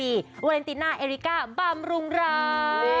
วาเลนติน่าเอริกาบำรุงร้าย